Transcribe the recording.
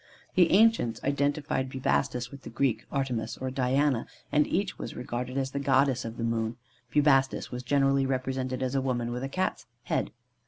The ancients identified Bubastis with the Greek Artemis (or Diana), and each was regarded as the Goddess of the moon. Bubastis was generally represented as a woman with a Cat's head.